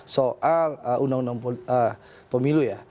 soal undang undang pemilu ya